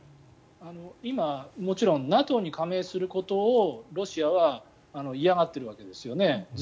いまもちろんＮＡＴＯに加盟することをロシアは嫌がっているわけですよね。